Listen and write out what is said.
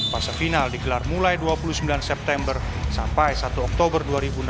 fase final digelar mulai dua puluh sembilan september sampai satu oktober dua ribu enam belas